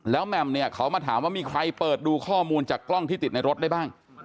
แล้วแหม่มเนี่ยเขามาถามว่ามีใครเปิดดูข้อมูลจากกล้องที่ติดในรถได้บ้าง